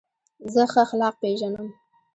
زه ښه اخلاق پېژنم.